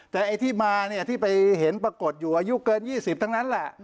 แต่ไอ้ที่มาเนี่ยที่ไปเห็นปรากฏอยู่อายุเกิน๒๐ทั้งนั้นแหละ